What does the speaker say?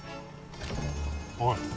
おい。